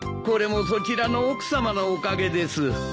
これもそちらの奥さまのおかげです。